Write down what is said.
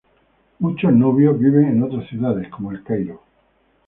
Muchos nubios viven en otras ciudades, como El Cairo.